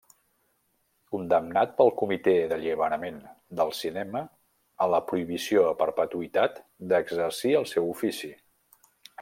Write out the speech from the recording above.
Condemnat pel Comitè d'Alliberament del Cinema a la prohibició a perpetuïtat d'exercir el seu ofici.